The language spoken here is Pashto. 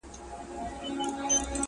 چي كرلې يې لمبې پر ګرګينانو٫